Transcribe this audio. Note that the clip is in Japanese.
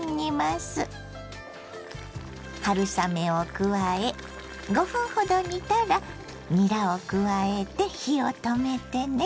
春雨を加え５分ほど煮たらにらを加えて火を止めてね。